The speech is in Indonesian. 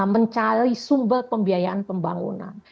mencari sumber pembiayaan pembangunan